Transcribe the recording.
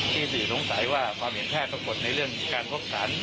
ที่สื่อสงสัยว่าความเห็นแพทย์ปรากฏในเรื่องการพบสาร